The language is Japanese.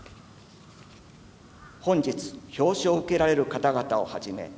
本日表彰を受けられる方々をはじめ